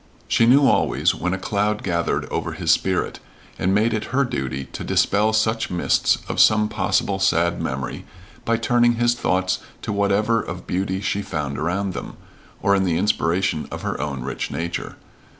She knew always when a cloud gathered over his spirit, and made it her duty to dispel such mists of some possible sad memory by turning his thoughts to whatever of beauty she found around them, or in the inspiration of her own rich nature.